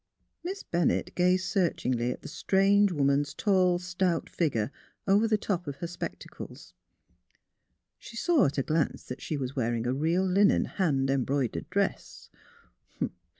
" Miss Bennett gazed searchingly at the strange woman's tall, stout figure over tlie top of her spec tacles. She saw at a glance that she was wearing a real linen, hand embroidered dress.